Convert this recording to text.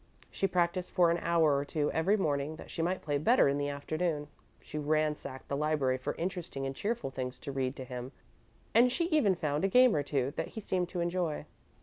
She practised for an hour or two every morning that she might play better in the afternoon, she ransacked the library for interesting and cheerful things to read to him, and she even found a game or two that he seemed to enjoy.